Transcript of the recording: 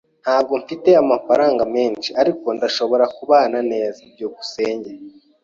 Ntabwo mfite amafaranga menshi, ariko ndashobora kubana neza. byukusenge